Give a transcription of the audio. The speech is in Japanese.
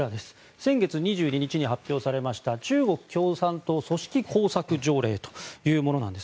先月２２日に発表されました中国共産党組織工作条例というものです。